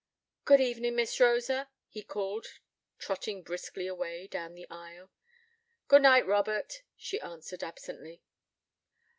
'Good evenin', Miss Rosa', he called, trotting briskly away down the aisle. 'Good night, Robert', she answered, absently.